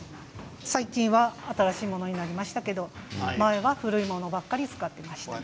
最近は新しいものになりましたけれども前は古いものばかり使っていました。